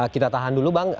kita tahan dulu bang